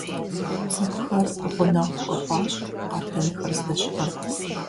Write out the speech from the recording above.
ЦӀыхухэр гъунэгъу хуэхъуащ къардэнхэр здэщыӀэм.